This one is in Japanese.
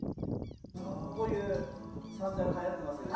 こういうサンダルはやってますよね。